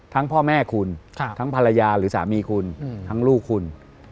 พ่อแม่คุณทั้งภรรยาหรือสามีคุณทั้งลูกคุณ